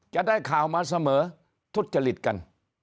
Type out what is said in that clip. จะได้ข่าวมาเสมอทุษฎฤษกัน